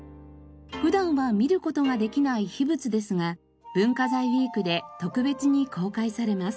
普段は見る事ができない秘仏ですが文化財ウィークで特別に公開されます。